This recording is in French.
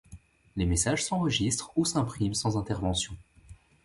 Les messages s'enregistrent ou s'impriment sans intervention.